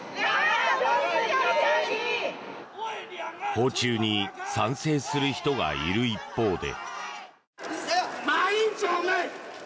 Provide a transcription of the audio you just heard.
訪中に賛成する人がいる一方で。